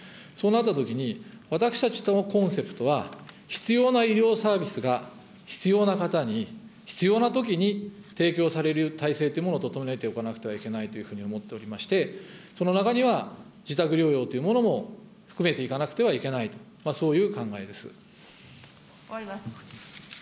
そうなったときに、私たちのコンセプトは、必要な医療サービスが必要な方に必要なときに提供される体制というものを整えておかなくてはいけないというふうに思っておりまして、その中には自宅療養というものも含めていかなくて終わります。